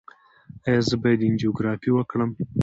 ایا زه باید انجیوګرافي وکړم؟